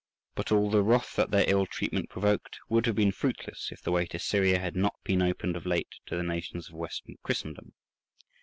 But all the wrath that their ill treatment provoked would have been fruitless, if the way to Syria had not been opened of late to the nations of Western Christendom.